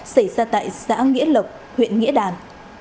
xảy ra tại xã nghĩa lộc huyện nghĩa đàn